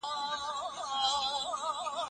که څوک دي نه پېژني په مسجد کي غلا وکړه.